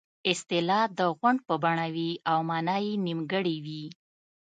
اصطلاح د غونډ په بڼه وي او مانا یې نیمګړې وي